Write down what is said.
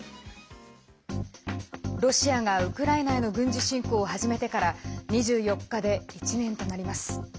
ロシアがウクライナへの軍事侵攻を始めてから２４日で１年となります。